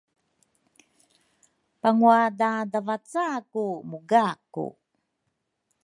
pangwa dadavaca ku mugaku